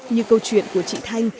như câu chuyện của chị thanh